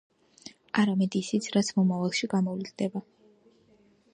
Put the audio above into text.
არამედ ისიც, რაც მომავალში გამოვლინდება...